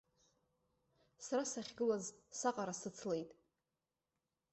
Сара сахьгылаз саҟара сыцлеит.